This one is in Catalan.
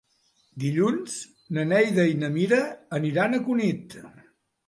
Dilluns na Neida i na Mira aniran a Cunit.